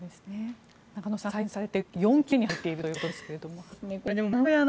中野さん、再選されて４期目に入っているということですが。